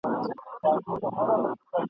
په ګونګه ژبه نظمونه لیکم `